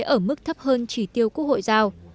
ở mức thấp hơn chỉ tiêu của hội giao